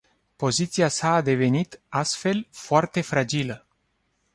Poziția sa a devenit, astfel, foarte fragilă.